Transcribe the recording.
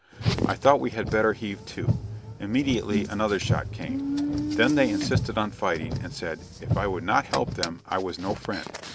I thought we had better heave to. Immediately another shot came. Then they insisted on fighting, and said "if I would not help them, I was no friend."